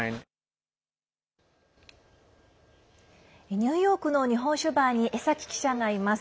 ニューヨークの日本酒バーに江崎記者がいます。